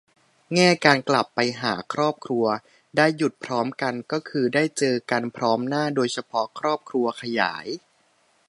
แง่การกลับไปหาครอบครัว ได้หยุดพร้อมกันก็คือได้เจอกันพร้อมหน้า โดยเฉพาะครอบครัวขยาย